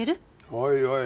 おいおい。